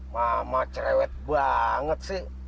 mama cerewet banget sih